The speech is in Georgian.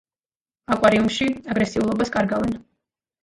აკვარიუმში აგრესიულობას კარგავენ.